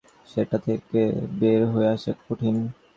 একজন, দুজন খুব ভালো খেললে সেটা থেকে বের হয়ে আসা কঠিন।